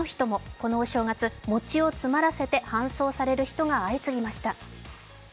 このお正月、餅を詰まらせて搬送される人が相次ぎました。